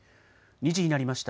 ２時になりました。